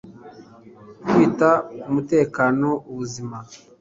kwita ku mutekano ubuzima